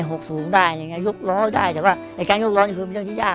หกสูงได้ยุกร้อนได้แต่ว่าในการยุกร้อนก็คือเรื่องที่ยาก